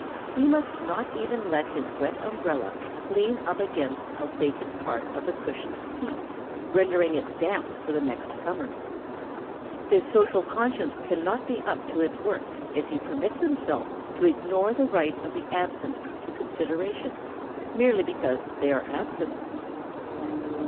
He must not even let his wet umbrella lean up against a vacant part of the cushioned seat, rendering it damp for the next comer. [Sidenote: The rights of the absent.] His social conscience cannot be up to its work if he permits himself to ignore the right of the absent to consideration, merely because they are absent.